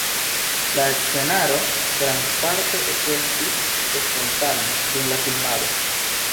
La scenaro grandparte ekestis spontane dum la filmado.